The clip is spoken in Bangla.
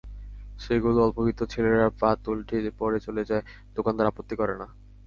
সেগুলো অল্পবিত্ত ছেলেরা পাত উলটিয়ে পড়ে চলে যায়, দোকানদার আপত্তি করে না।